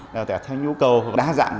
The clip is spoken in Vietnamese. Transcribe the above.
đào tạo theo nhu cầu đa dạng